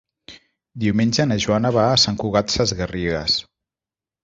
Diumenge na Joana va a Sant Cugat Sesgarrigues.